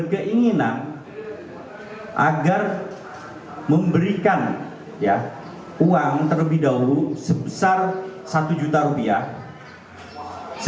diam diam diam